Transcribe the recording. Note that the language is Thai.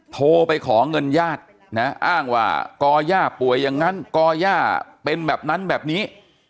โทรไปขอเงินญาตินะอ้างว่าก่อย่าป่วยอย่างนั้นก่อย่าเป็นแบบนั้นแบบนี้